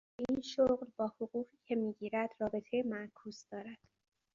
اشتیاق او به این شغل با حقوقی که میگیرد رابطهی معکوس دارد!